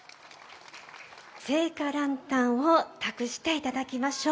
聖火ランタンを託していただきましょう。